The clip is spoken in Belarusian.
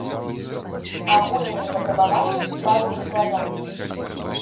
Агульныя патрабаванні і правілы складання.